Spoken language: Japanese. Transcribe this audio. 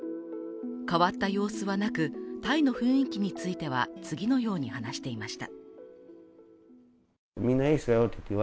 変わった様子はなく、隊の雰囲気については、次のように話していました。